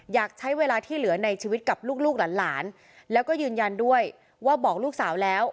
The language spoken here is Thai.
อยากใช้เวลาที่เหลือในชีวิตกับลูกหลานแล้วก็ยืนยันด้วยว่าบอกลูกสาวแล้ว